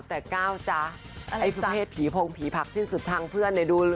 แต่ก้าวจ๊ะไอ้ประเภทผีโพงผีผักสิ้นสุดทางเพื่อนเนี่ยดู